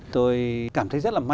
tôi cảm thấy rất là mong muốn